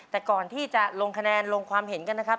แต่ก่อนที่จะลงคะแนนลงความเห็นกันนะครับ